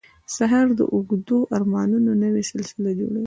سهار د اوږدو ارمانونو نوې سلسله جوړوي.